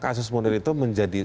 kasus munir itu menjadi